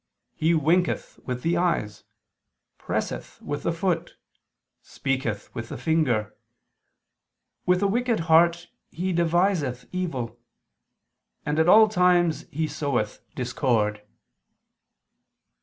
He winketh with the eyes, presseth with the foot, speaketh with the finger. With a wicked heart he deviseth evil, and at all times he soweth discord."